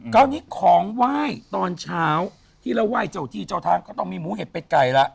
คราวนี้ของไหว้ตอนเช้าที่เราไหว้เจ้าที่เจ้าทางก็ต้องมีหมูเห็ดเป็ดไก่ละ